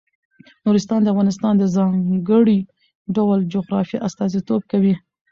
نورستان د افغانستان د ځانګړي ډول جغرافیه استازیتوب کوي.